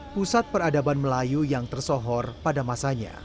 pusat peradaban melayu yang tersohor pada masanya